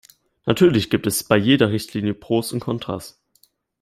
Natürlich gibt es bei jeder Richtlinie Pros und Kontras.